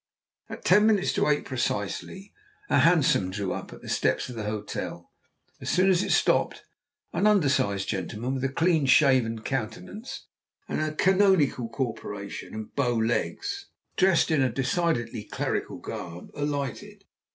At ten minutes to eight precisely a hansom drew up at the steps of the hotel. As soon as it stopped, an undersized gentleman, with a clean shaven countenance, a canonical corporation, and bow legs, dressed in a decidedly clerical garb, alighted.